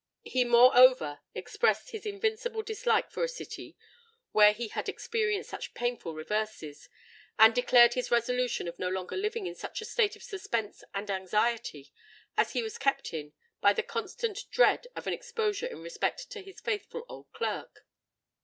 He, moreover, expressed his invincible dislike for a city where he had experienced such painful reverses; and declared his resolution of no longer living in such a state of suspense and anxiety as he was kept in by the constant dread of an exposure in respect to his faithful old clerk.